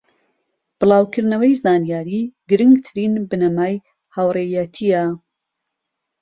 بڵاوکردنەوەی زانیاری گرنگترین بنەمای هاوڕێیەتیە